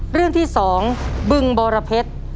เรื่องที่๒บึงบรเพชร